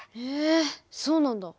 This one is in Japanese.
へえそうなんだ。